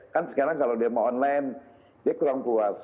kan sekarang kalau dia mau online dia kurang puas